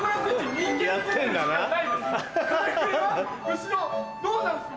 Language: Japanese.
後ろどうなんすか。